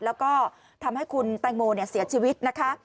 แล้วก็ทำให้คุณแตงโมเสียชีวิตนะคะ